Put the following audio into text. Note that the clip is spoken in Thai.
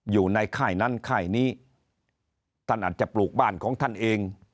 อยู่ในค่ายนั้นค่ายนี้ท่านอาจจะปลูกบ้านของท่านเอง